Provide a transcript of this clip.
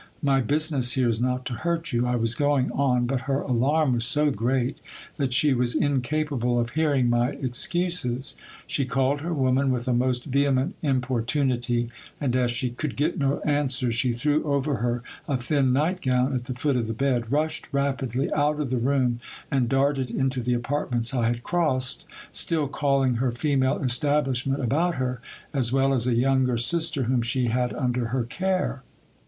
My business here is not to hurt you. I was going on, but her alarm was so great that she was incapable of hearing my excuses. She called her woman with a most vehement importunity, and as she could get no answer, she threw over her a thin night gown at the foot of the bed, rushed rapidly out of the room, and darted into the apartments I had crossed, still calling her female establishment about her, as well as a younger sister whom she had under her care.